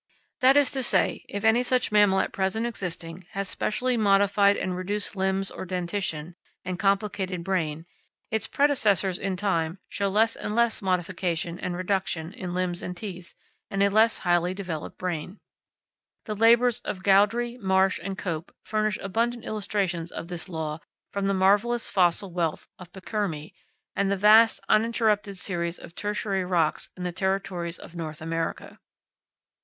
That is to say, if any such mammal at present existing has specially modified and reduced limbs or dentition and complicated brain, its predecessors in time show less and less modification and reduction in limbs and teeth and a less highly developed brain. The labours of Gaudry, Marsh, and Cope furnish abundant illustrations of this law from the marvellous fossil wealth of Pikermi and the vast uninterrupted series of tertiary rocks in the territories of North America.